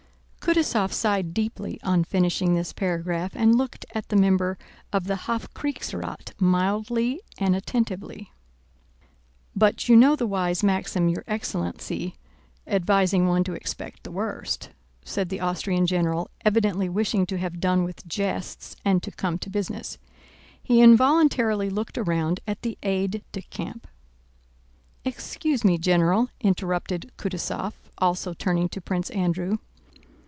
Kutúzov sighed deeply on finishing this paragraph and looked at the member of the Hofkriegsrath mildly and attentively. "But you know the wise maxim your excellency, advising one to expect the worst," said the Austrian general, evidently wishing to have done with jests and to come to business. He involuntarily looked round at the aide de camp. "Excuse me, General," interrupted Kutúzov, also turning to Prince Andrew.